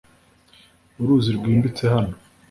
Uruzi rwimbitse hano .